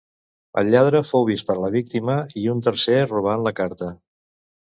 El lladre fou vist per la víctima i un tercer robant la carta.